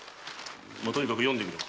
とにかく読んでみろ。